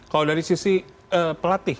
kalau dari sisi pelatih